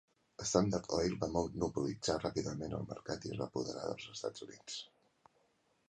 Standard Oil va monopolitzar ràpidament el mercat i es va apoderar dels Estats Units.